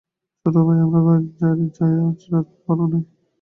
চল ভাই আমরা বাড়ি যাইআজ রাতটা ভালো নয়-আয়রে অপু, দুগগাদি আয়।